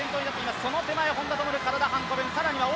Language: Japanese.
その手前が本多灯、体半個分。